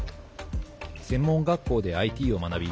専門学校でＩＴを学び